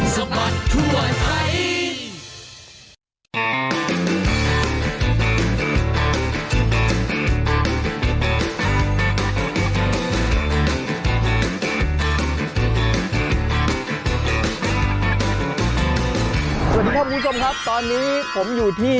สวัสดีครับคุณผู้ชมครับตอนนี้ผมอยู่ที่